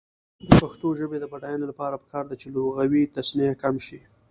د پښتو ژبې د بډاینې لپاره پکار ده چې لغوي تصنع کم شي.